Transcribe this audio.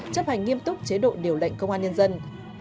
chấp hành nghiêm túc chế độ điều lệnh công an nhân dân